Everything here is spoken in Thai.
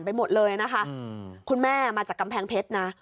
ไปหมดเลยนะคะคุณแม่มาจากกำแพงเพชรนะ